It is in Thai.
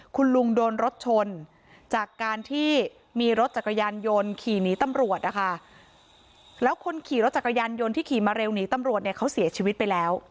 คุณลุงโดนรถชนจากการที่มีรถจักรยานยนต์ขี่หนีตำรวจนะคะแล้วคนขี่รถจักรยานยนต์ที่ขี่มาเร็วหนีตำรวจเนี่ยเขาเสียชีวิตไปแล้ว